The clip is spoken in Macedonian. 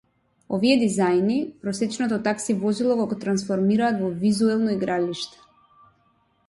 Овие дизајни, просечното такси возило го трансформираат во визуелно игралиште.